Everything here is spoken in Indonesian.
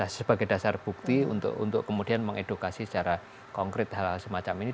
sebagai dasar bukti untuk kemudian mengedukasi secara konkret hal hal semacam ini